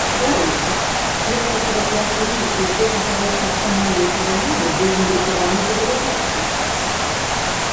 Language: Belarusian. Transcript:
Дарэчы, першы пераклад урыўкаў з гэтага расійскамоўнага раману быў надрукаваны па-беларуску.